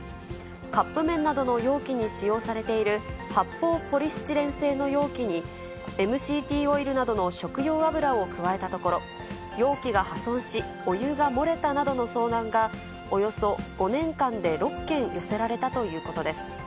カップ麺などの容器に使用されている発泡ポリスチレン製の容器に、ＭＣＴオイルなどの食用油を加えたところ、容器が破損し、お湯が漏れたなどの相談が、およそ５年間で６件寄せられたということです。